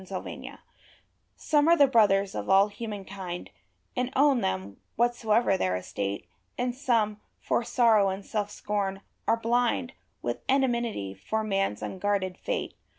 The World Some are the brothers of all humankind, And own them, whatsoever their estate; And some, for sorrow and self scorn, are blind With enmity for man's unguarded fate.